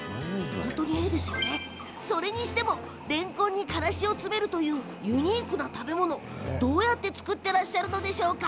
それにしても、れんこんにからしを詰めるというユニークな食べ物どうやって作ってるんでしょう？